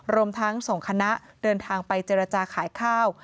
รวมทั้งส่งคณะเดินทางไปเจรจาขายข้าว